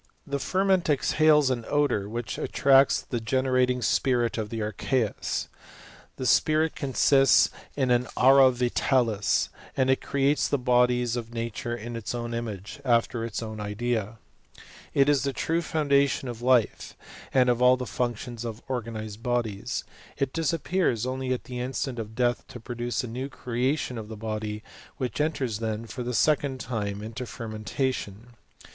The ferment exhales an odour, which attracts the generat ing spirit of the archeus. This spirit consists in an ■ VuL Helmont, Opera Omtua, p. 101, f Ibid., p, 105, ,184 HISTO&T OF CHEMISTBY. aura vi^aZt^, and it create the bodies of nature in its own image, after its own idea. It is the true founda tion of life, and of all the functions of organized bodies ; it disappears only at the instant of death to produce a new creation of the body, which enters then, for the second time, into fermentation.